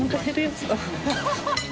ハハハ